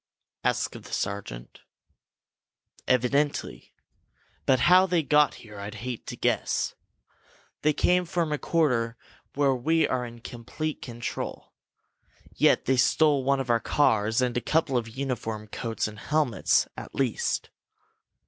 asked the sergeant. "Evidently! But how they got here I'd hate to guess! They came from a quarter where we are in complete control. Yet they stole one of our cars, and a couple of uniform coats and helmets, at least!"